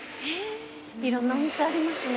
いろんなお店ありますね。